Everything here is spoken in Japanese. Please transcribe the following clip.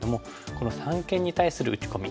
この三間に対する打ち込み。